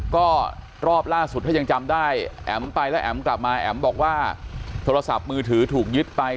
ก็รอบล่าสุดถ้ายังจำได้แอ๋มไปแล้วแอ๋มกลับมาแอ๋มบอกว่าโทรศัพท์มือถือถูกยึดไป